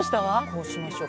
こうしましょう。